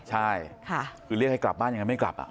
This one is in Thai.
ใช่คือเรียกให้กลับบ้านยังไงไม่กลับ